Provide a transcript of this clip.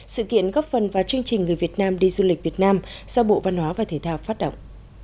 sự kiện góp phần vào chương trình người việt nam đi du lịch việt nam do bộ văn hóa và thể thao phát động